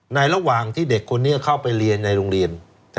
ระหว่างที่เด็กคนนี้เข้าไปเรียนในโรงเรียน